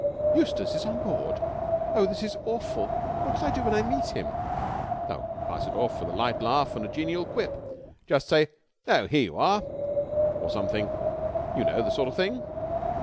"Eustace is on board! Oh, this is awful! What shall I do when I meet him?" "Oh, pass it off with a light laugh and a genial quip. Just say: 'Oh, here you are!' or something. You know the sort of thing."